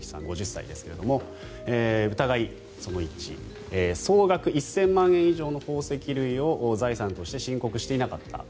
５０歳ですが疑いその１総額１０００万円以上の宝石類を財産として申告していなかった。